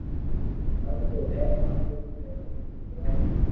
انت تو ھي آخري تو ھي زندگي ري ھر